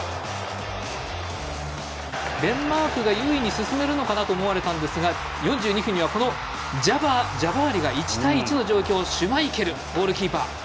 デンマークが優位に進めるかなと思われたんですが４２分には、ジャバーリが１対１の状況シュマイケル。ゴールキーパー。